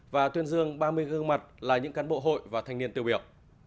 và tuyên dương ba mươi gương mặt là những cán bộ hội và thanh niên tiêu biểu